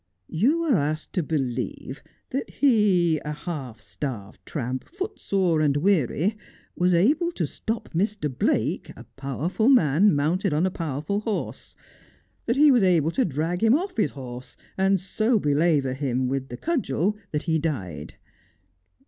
You are asked to believe that he, a half starved tramp, footsore and weary, was able to stop Mr. Blake, a powerful man, mounted on a powerful horse ; that he was able to drag him off his horse and so belabour him with a cudgel that he died.